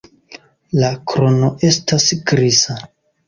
La krono estas griza.